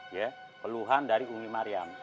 ya peluhan dari ungi mariam